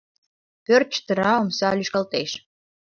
Пӧрт чытыра, омса лӱшкалтеш.